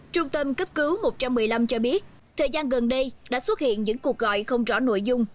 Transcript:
trung tâm cấp cứu một trăm một mươi năm cho biết thời gian gần đây đã xuất hiện những cuộc gọi không rõ nội dung